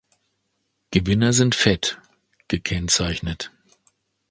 Gewinner sind fett gekennzeichnet.